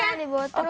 iya dibawa terus